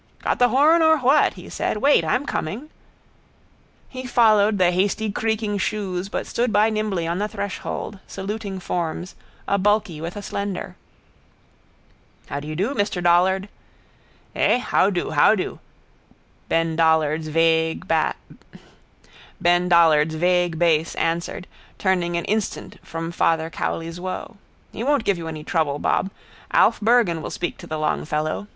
—Got the horn or what? he said. Wait. I'm coming. He followed the hasty creaking shoes but stood by nimbly by the threshold, saluting forms, a bulky with a slender. —How do you do, Mr Dollard? —Eh? How do? How do? Ben Dollard's vague bass answered, turning an instant from Father Cowley's woe. He won't give you any trouble, Bob. Alf Bergan will speak to the long fellow.